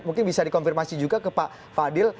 mungkin bisa dikonfirmasi juga ke pak fadil